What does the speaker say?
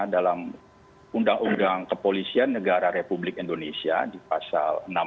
dalam undang undang kepolisian negara republik indonesia di pasal enam puluh